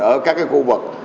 ở các khu vực